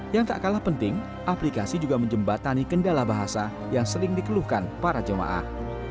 yang tak kalah penting aplikasi juga menjembatani kendala bahasa yang sering dikeluhkan para jemaah